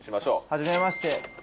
はじめまして。